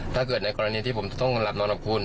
ถ้าเกิดในกรณีที่ผมจะต้องหลับนอนกับคุณ